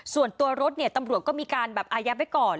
ส่วนตัวรถเนี่ยตำรวจก็มีการแบบอายัดไว้ก่อน